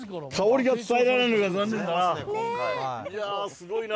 すごいな。